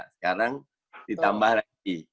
sekarang ditambah lagi